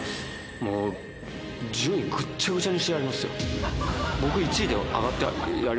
もう、順位ぐっちゃぐちゃにしてやりますよ。